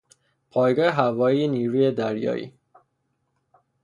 پایگاه هوایی نیروی دریایی